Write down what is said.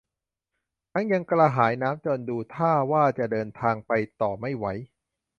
ทั้งยังกระหายน้ำจนดูท่าว่าจะเดินทางไปต่อไม่ไหว